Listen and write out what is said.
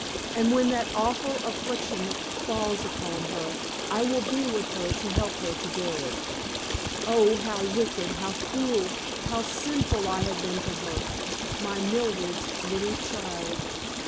And when that awful affliction falls upon her, I will be with her to help her to bear it. Oh, how wicked, how cruel, how sinful I have been to her my Mildred's little child!